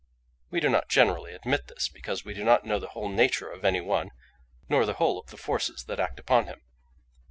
"We do not generally admit this, because we do not know the whole nature of any one, nor the whole of the forces that act upon him.